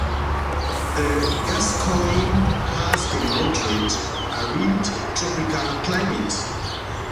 The Gascoyne has a moderate arid tropical, climate.